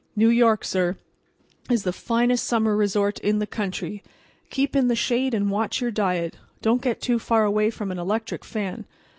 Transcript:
New York, sir, is the finest summer resort in the country. Keep in the shade and watch your diet, and don't get too far away from an electric fan.